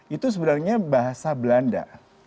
itu sebenarnya bahasa belanda